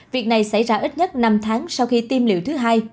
việc này xảy ra ít nhất năm tháng sau khi tiêm liệu thứ hai